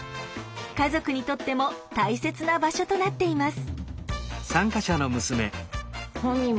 家族にとっても大切な場所となっています。